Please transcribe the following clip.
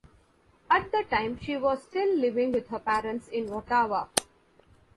At the time she was still living with her parents in Ottawa.